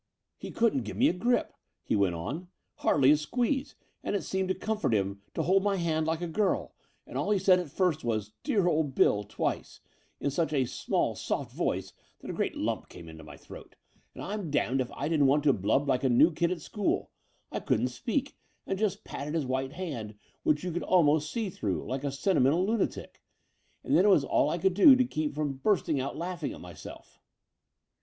] "He couldn't give me a grip," he went on, * 'hardly a squeeze: and it seemed to comfort him to hold my hand like a girl, and all he said at first was 'dear old Bill ' twice, in such a small soft voice fhat a great lump came into my throat, and I'm 17 258 The Door off the Unreal damned if I didn't want to blub like a new kid at school. I couldn't speak, and just patted his white hand» which you could ahnost see through, like a sentimental lunatic: and then it was all I could do to keep from bursting out laughing at myself."